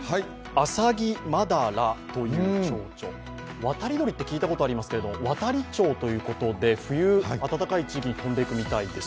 アサギマダラというちょうちょ、渡り鳥って聞いたことありますけど渡りチョウっていうことで冬、暖かい地域に飛んでいくみたいです。